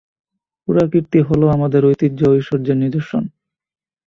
পুরাকীর্তি হলো আমাদের ঐতিহ্য-ঐশ্বর্যৈর নিদর্শন।